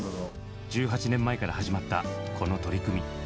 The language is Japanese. １８年前から始まったこの取り組み。